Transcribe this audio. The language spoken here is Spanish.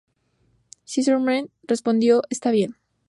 Zimmerman respondió: "Está bien.".